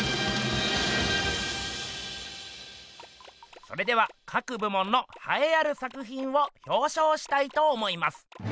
それでは各部門のはえある作品をひょうしょうしたいと思います。